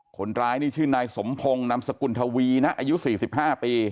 คนร้ายนี่ชื่อนายสมพงศ์นามสกุลทวีนะอายุ๔๕ปี